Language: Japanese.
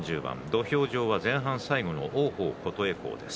土俵上は前半最後の王鵬、琴恵光です。